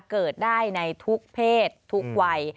เกิดได้ในทุกเพศทุกวัย